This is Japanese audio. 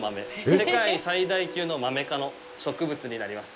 世界最大級のマメ科の植物になります。